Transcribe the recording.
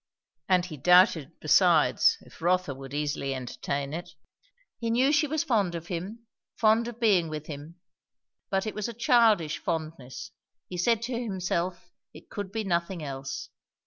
And he doubted besides if Rotha would easily entertain it. He knew she was fond of him, fond of being with him; but it was a childish fondness, he said to himself; it could be nothing else.